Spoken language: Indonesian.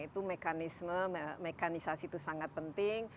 itu mekanisme mekanisasi itu sangat penting